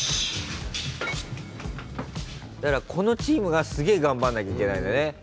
だからこのチームがすげえ頑張んなきゃいけないんだね。